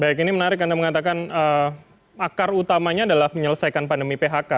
baik ini menarik anda mengatakan akar utamanya adalah menyelesaikan pandemi phk